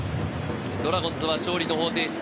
ドラゴンズは勝利の方程式。